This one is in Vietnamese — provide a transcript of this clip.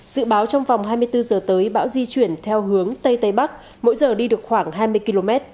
dự báo trong vòng hai mươi bốn giờ tới bão di chuyển theo hướng tây tây bắc mỗi giờ đi được khoảng hai mươi km